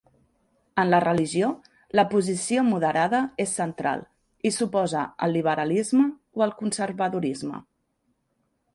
En la religió, la posició moderada és central i s'oposa al liberalisme o al conservadorisme.